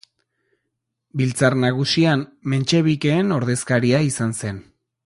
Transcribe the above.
Biltzar Nagusian mentxebikeen ordezkaria izan zen.